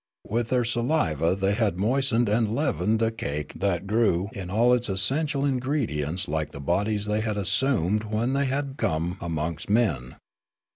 With their saliva they had moistened and leavened a cake that grew in all its es sential ingredients like the bodies they had assumed when they had come amongst men.